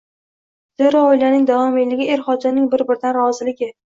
Zero, oilaning davomiyligi er xotinning bir-biridan roziligi